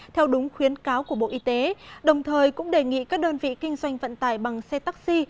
theo đúng khuyến cáo của bộ y tế đồng thời cũng đề nghị các đơn vị kinh doanh vận tải bằng xe taxi